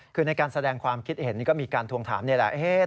คือในการแสดงความคิดเห็นนี่ก็มีการทวงถามนี่แหละ